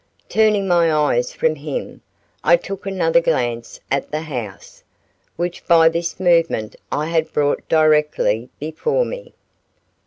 Turning my eyes from him, I took another glance at the house, which by this movement I had brought directly before me.